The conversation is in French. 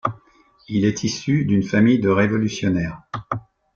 Il est issu d'une famille de révolutionnaires.